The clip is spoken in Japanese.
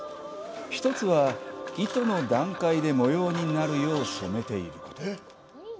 １つは、糸の段階で模様になるよう染めていること。